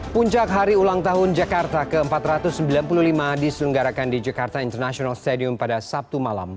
puncak hari ulang tahun jakarta ke empat ratus sembilan puluh lima diselenggarakan di jakarta international stadium pada sabtu malam